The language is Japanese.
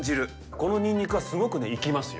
このニンニクがすごく生きますよ。